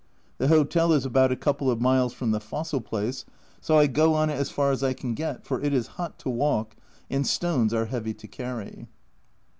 The hotel is about a couple of miles from the fossil place, so I go on it as far as I can get, for it is hot to walk, and stones are heavy to carry.